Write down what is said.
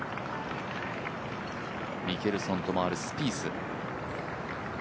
ミケルソンと回るスピース。